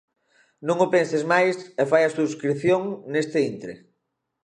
Non o penses máis e fai a subscrición neste intre!